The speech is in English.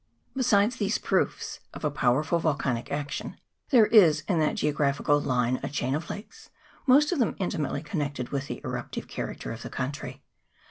Besides these proofs of a powerful volcanic action, there is in that geographical line a chain of lakes, most of them intimately connected with the eruptive character of the country.